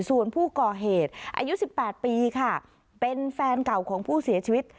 ส่วนผู้ก่อเหตุอายุ๑๘ปีค่ะเป็นแฟนเก่าของผู้เสียชีวิต